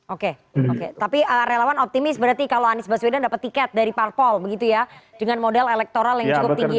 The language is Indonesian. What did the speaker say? oke oke tapi relawan optimis berarti kalau anies baswedan dapat tiket dari parpol begitu ya dengan modal elektoral yang cukup tinggi